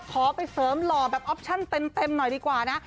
ขอไปเสริมหล่อแบบออปชั่นเต็มหน่อยดีกว่านะ